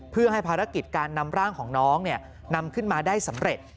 เพื่อให้ภารกิจการนำร่างของน้องนำขึ้นมาได้สำเร็จ